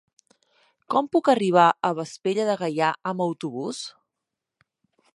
Com puc arribar a Vespella de Gaià amb autobús?